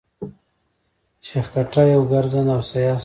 شېخ کټه يو ګرځنده او سیاح سړی وو.